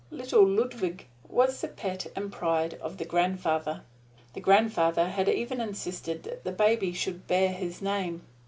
Little Ludwig was the pet and pride of the grandfather. The grandfather had even insisted that the baby should bear his name.